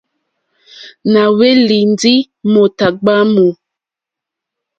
Nà hwélì ndí mòtà ɡbwǎmù.